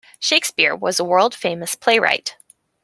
Shakespeare was a world-famous playwright.